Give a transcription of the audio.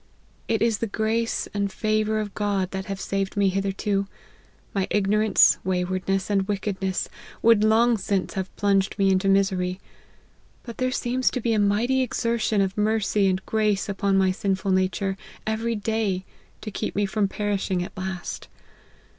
It is the grace and favour of God that have saved me hitherto : my igno rance, waywardness, and wickedness, would long since have plunged me into misery ; but there seems to be a mighty exertion of mercy and grace upon my sinful nature, every day, to keep me from perishing at last.